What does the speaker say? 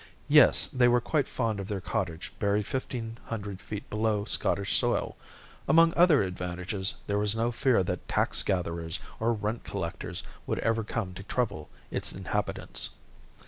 Yes, they were quite fond of their cottage, buried fifteen hundred feet below Scottish soil. Among other advantages, there was no fear that tax gatherers, or rent collectors would ever come to trouble its inhabitants.